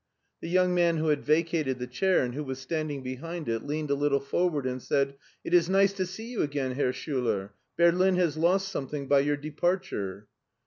The young man who had vacated the chair, and who was standing behind it, leaned a little forward and said :" It is nice to see you again, Herr Schiiler. Berlin has lost something by your departure."